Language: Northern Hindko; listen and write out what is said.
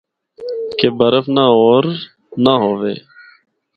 کہ برف نہ ہور نہ ہوّے۔